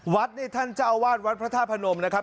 วัดนี่ท่านเจ้าวาดวัดพระธาตุพนมนะครับ